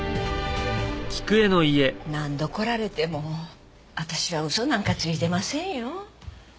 何度来られても私は嘘なんかついてませんよ。